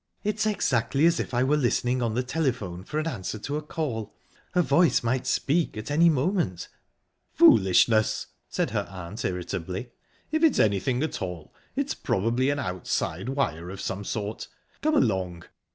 It's exactly as if I were listening on the telephone for an answer to a call. A voice might speak at any moment." "Foolishness!" said her aunt irritably. "If it's anything at all, it's probably an outside wire of some sort...Come along!"